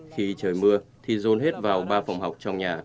khi trời mưa thì dồn hết vào ba phòng học trong nhà